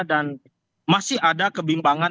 dan masih ada kebimbangan